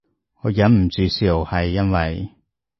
我忍唔住笑係因為